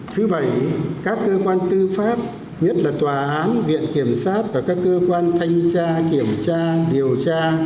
thứ bảy các cơ quan tư pháp nhất là tòa án viện kiểm sát và các cơ quan thanh tra kiểm tra điều tra